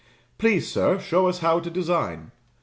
"Please, sir, show us how to design."